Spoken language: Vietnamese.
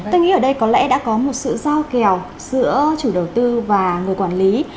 tôi nghĩ ở đây có lẽ đã có một sự giao kèo giữa chủ đầu tư và người quản lý